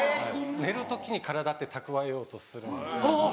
寝る時に体って蓄えようとするので。